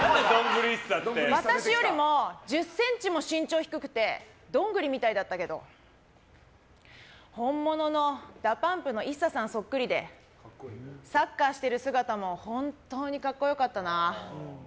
私よりも１０ｃｍも身長低くてどんぐりみたいだったけど本物のＤＡＰＵＭＰのＩＳＳＡさんにそっくりで、サッカーしてる姿も本当に格好よかったな。